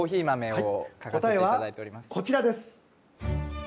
はい、答えはこちらです。